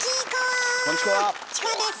チコです！